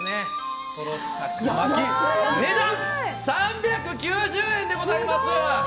とろたく巻き値段３９０円でございます！